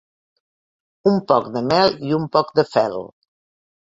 Un poc de mel i un poc de fel.